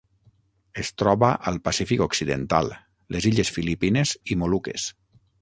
Es troba al Pacífic occidental: les illes Filipines i Moluques.